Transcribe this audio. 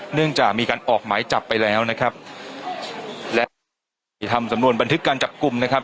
เนื่องจากมีการออกหมายจับไปแล้วนะครับและที่ทำสำนวนบันทึกการจับกลุ่มนะครับ